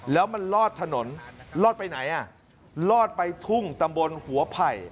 แล้วมันลอดถนนลอดไปไหนอ่ะลอดไปทุ่งตำบลหัวไผ่